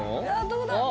どうだ？